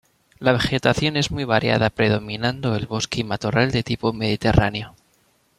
La vegetación es muy variada predominando el bosque y matorral de tipo mediterráneo.